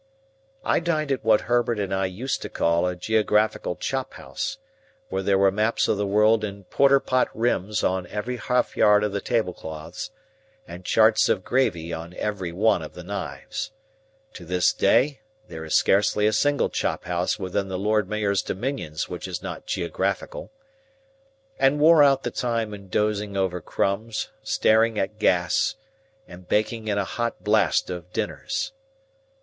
I dined at what Herbert and I used to call a geographical chop house, where there were maps of the world in porter pot rims on every half yard of the tablecloths, and charts of gravy on every one of the knives,—to this day there is scarcely a single chop house within the Lord Mayor's dominions which is not geographical,—and wore out the time in dozing over crumbs, staring at gas, and baking in a hot blast of dinners.